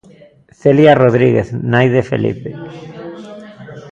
Celia Rodríguez, nai de Felipe.